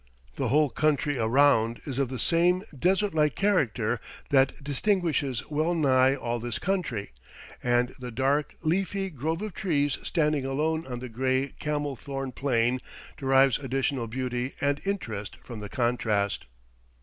The whole country around is of the same desert like character that distinguishes well nigh all this country, and the dark, leafy grove of trees standing alone on the gray camel thorn plain, derives additional beauty and interest from the contrast.